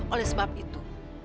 oleh sebab itu